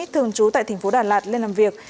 thường trú tại tp đà lạt lên làm việc